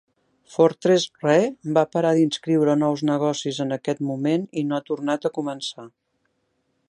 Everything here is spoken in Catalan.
Fortress Re va parar d'inscriure nous negocis en aquest moment i no ha tornat a començar.